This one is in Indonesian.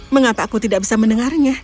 mengapa aku tidak bisa mendengarnya